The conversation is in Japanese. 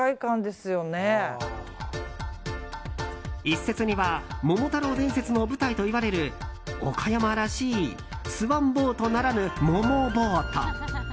一説には桃太郎伝説の舞台といわれる岡山らしいスワンボートならぬ桃ボート。